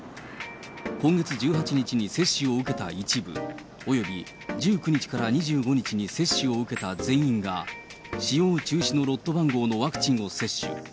今月１８日に接種を受けた一部、および１９日から２５日に接種を受けた全員が、使用中止のロット番号のワクチンを接種。